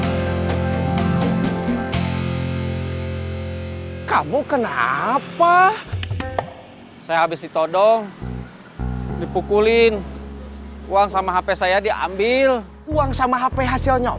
hai kamu kenapa saya habis ditodong dipukulin uang sama hp saya diambil uang sama hp hasilnya